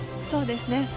そうですね。